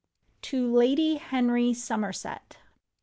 To Lady Henry Somerset.